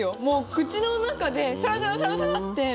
口の中でサラサラサラサラって。